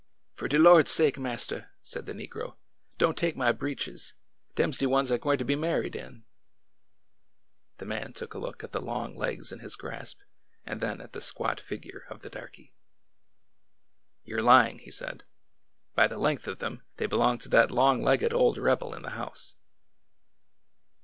" Fur de Lord's sake, master," said the negro, '' don't take my breeches ! Dem 's de ones I gwineter be married in." The man took a look at the long legs in his grasp and then at the squat figure of the darky. ''You're lying!" he said. "By the length of them, they belong to that long legged old rebel in the house."